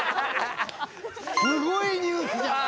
すごいニュースじゃない？